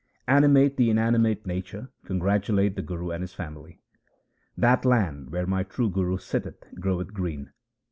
Animate and inanimate nature congratulate the Guru and his family :— That land where my true Guru sitteth groweth green.